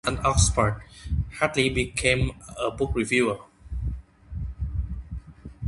After his years at Oxford, Hartley became a book reviewer.